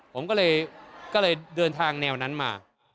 ผมก็เลยเดินทางแนวนั้นมา